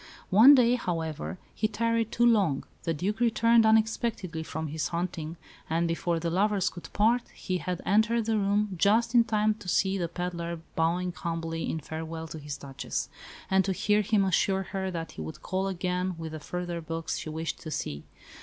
One day, however, he tarried too long; the Duke returned unexpectedly from his hunting, and before the lovers could part, he had entered the room just in time to see the pedlar bowing humbly in farewell to his Duchess, and to hear him assure her that he would call again with the further books she wished to see.